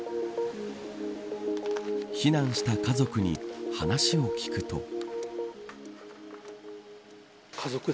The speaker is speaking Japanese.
避難した家族に話を聞くと。